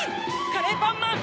カレーパンマン！